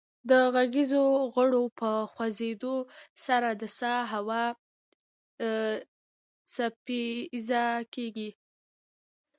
د غږیزو غړو په خوځیدو سره د سا هوا څپیزه کیږي